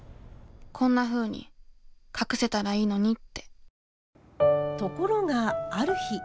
こんなふうに隠せたらいいのにってところがある日。